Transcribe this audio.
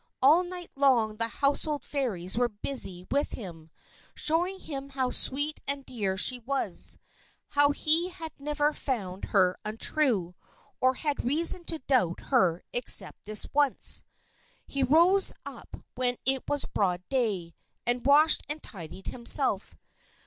All night long the household fairies were busy with him, showing him how sweet and dear she was; how he had never found her untrue, or had reason to doubt her except this once. He rose up when it was broad day, and washed and tidied himself.